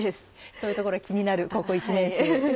そういうところが気になる高校１年生。